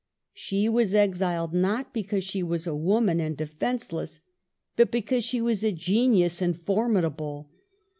She was exiled not because she was a woman and defenceless, but because she was a genius and formidable.